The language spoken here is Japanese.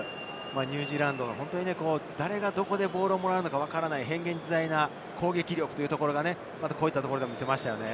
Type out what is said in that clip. ニュージーランドの誰が、どこでボールをもらうのかわからない、変幻自在な攻撃力がこういったところでも見せましたね。